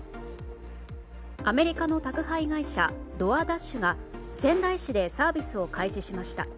アメリカの宅配会社ドアダッシュが仙台市でサービスを開始しました。